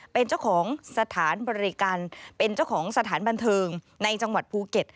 เป็นเจ้าของสถานบริการเป็นเจ้าของสถานบันเทิงในจังหวัดภูเก็ต